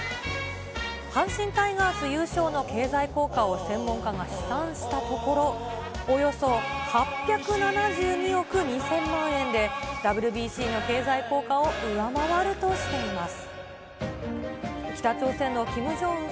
阪神タイガース優勝の経済効果を専門家が試算したところ、およそ８７２億２０００万円で、ＷＢＣの経済効果を上回るとしています。